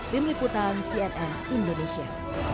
tim liputan cnn indonesia